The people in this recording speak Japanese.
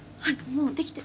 もうできて。